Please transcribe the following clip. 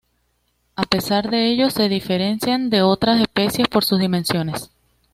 A pesar de ello se diferencian de otras especies por sus dimensiones.